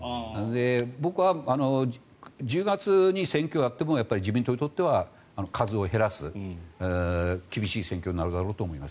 僕は１０月に選挙をやっても自民党にとっては数を減らす、厳しい選挙になるだろうと思います。